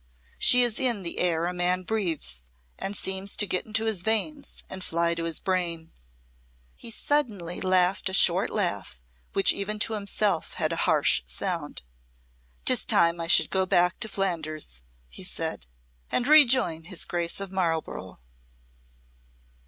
"She is in the air a man breathes, and seems to get into his veins and fly to his brain." He suddenly laughed a short laugh, which even to himself had a harsh sound. "'Tis time I should go back to Flanders," he said, "and rejoin his Grace of Marlborough."